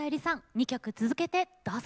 ２曲続けてどうぞ。